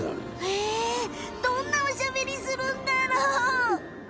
へえどんなおしゃべりするんだろう。